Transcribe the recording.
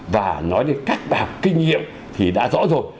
và nói đến các bài học kinh nghiệm thì đã rõ rồi